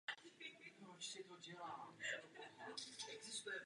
Nejde o zločin bez obětí.